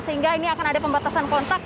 sehingga ini akan ada pembatasan kontak